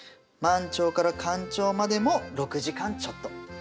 満潮から干潮までも６時間ちょっと。